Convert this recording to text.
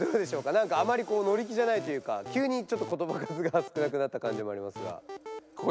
なんかあまりのり気じゃないというかきゅうにちょっとことば数がすくなくなった感じもありますが。